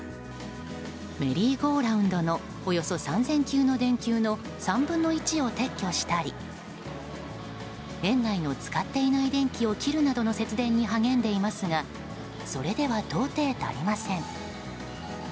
メリーゴーラウンドのおよそ３０００球の電球の電球の３分の１を撤去したり園内の使っていない電気を切るなどの節電に励んでいますがそれでは到底足りません。